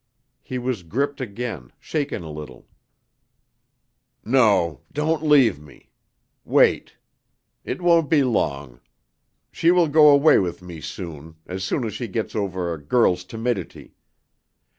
He was gripped again, shaken a little. "No, don't leave me. Wait. It won't be long. She will go away with me soon, as soon as she gets over a girl's timidity.